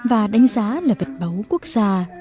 và đánh giá là vật báu quốc gia